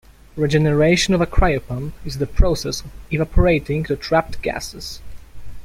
Regeneration of a cryopump is the process of evaporating the trapped gases.